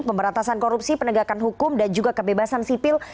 pemberantasan korupsi penegakan hukum dan juga kebebasan sipil